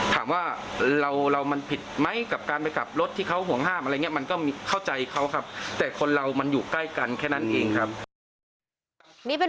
ถามว่าเรามันผิดไหมกับการไปกลับรถที่เขาห่วงห้ามอะไรอย่างนี้